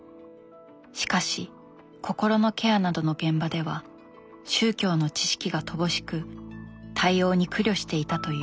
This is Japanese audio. しかし心のケアなどの現場では宗教の知識が乏しく対応に苦慮していたという。